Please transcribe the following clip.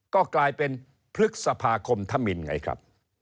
ก็กลายเป็นพฤษภาคมธมินไงครับ